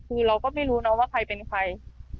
คือเราก็ไม่รู้นะว่าใครเป็นใคร